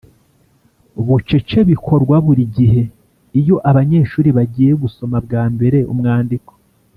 bucece bikorwa buri gihe iyo abanyeshuri bagiye gusoma bwa mbere umwandiko